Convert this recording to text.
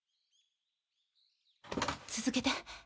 続けて。